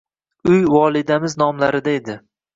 Uy volidamiz nomlarida edi.